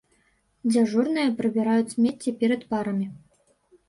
Дзяжурныя прыбіраюць смецце перад парамі.